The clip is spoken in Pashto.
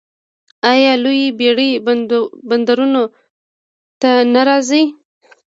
آیا لویې بیړۍ بندرونو ته نه راځي؟